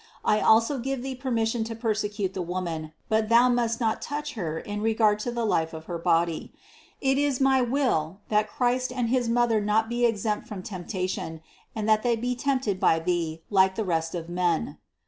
I also give thee permission to persecute the Woman, but thou must not touch Her in regard to the life of her body. It is my will, that Christ and his Mother be not exempt from temptation, and that They be tempted by thee like the rest of men."